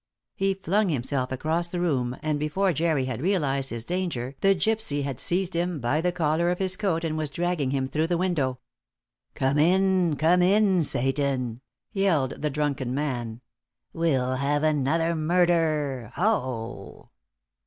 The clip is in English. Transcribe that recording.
He flung himself across the room, and before Jerry had realised his danger the gypsy had seized him; by the collar of his coat and was dragging him through the window. "Come in, come in, Satan!" yelled the drunken man. "We'll have another murder! Ho!